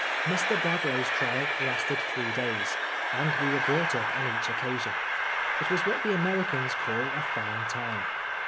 Mr. Bradlaugh's trial lasted three days, and we were brought up on each occasion. It was what the Ameri cans call a fine time.